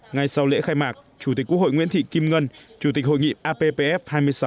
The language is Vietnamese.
ngay sau lễ khai mạc chủ tịch quốc hội nguyễn thị kim ngân chủ tịch hội nghị appf hai mươi sáu